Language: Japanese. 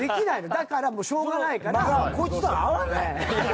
だからしようがないから。